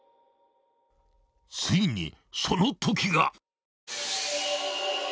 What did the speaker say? ［ついにその時が！］